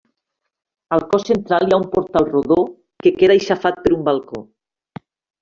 Al cos central hi ha un portal rodó que queda aixafat per un balcó.